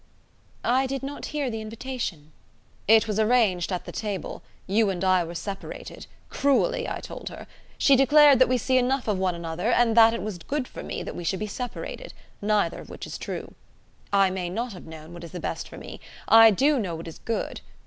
"I did not hear the invitation." "It was arranged at the table: you and I were separated cruelly, I told her: she declared that we see enough of one another, and that it was good for me that we should be separated; neither of which is true. I may not have known what is the best for me: I do know what is good.